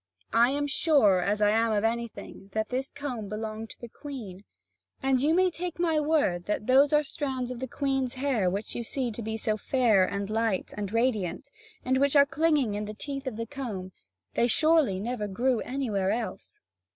I am sure, as I am of anything, that this comb belonged to the Queen. And you may take my word that those are strands of the Queen's hair which you see to be so fair and light and radiant, and which are clinging in the teeth of the comb; they surely never grew anywhere else."